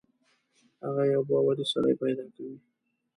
هغه یو باوري سړی پیدا کړي.